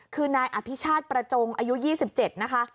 คือนายอภิชาติประจงอายุ๒๗นะคะ